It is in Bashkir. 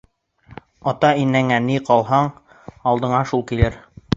Ата-инәңә ни ҡылһаң, алдыңа шул килер.